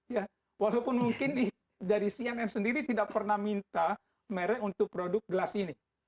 ya walaupun mungkin dari cnn sendiri tidak pernah minta merek untuk produk gelas ini